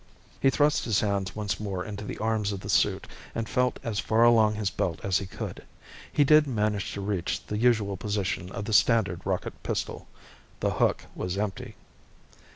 He thrust his hands once more into the arms of the suit, and felt as far along his belt as he could. He did manage to reach the usual position of the standard rocket pistol. The hook was empty.